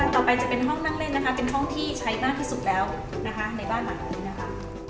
ต่อไปจะเป็นห้องนั่งเล่นนะคะเป็นห้องที่ใช้มากที่สุดแล้วนะคะในบ้านหลังนี้นะคะ